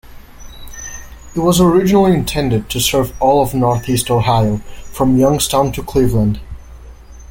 It was originally intended to serve all of northeast Ohio from Youngstown to Cleveland.